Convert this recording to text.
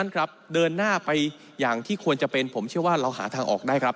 ครับเดินหน้าไปอย่างที่ควรจะเป็นผมเชื่อว่าเราหาทางออกได้ครับ